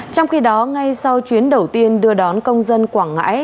trong khi đó ngay sau chuyến đầu tiên đưa đón công dân quảng ngãi